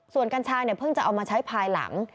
ส่วนกัญชาเนี่ยเพิ่งจะเอามาใช้ภายหลัง